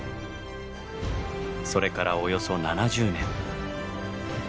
それからおよそ７０年。